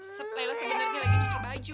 sep layla sebenarnya lagi cuci baju